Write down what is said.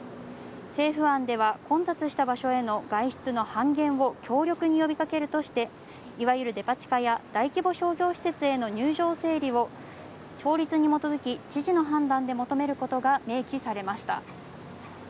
政府案では混雑した場所への外出の半減を強力に呼びかけるとして、いわゆるデパ地下や大規模商業施設への入場整理を法律に基づき知事の判断で求めることが明記されました。